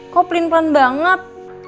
kok pelin pelan banget